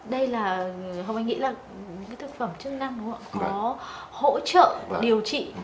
đây là hồng anh nghĩ là những thực phẩm chức năng có hỗ trợ điều trị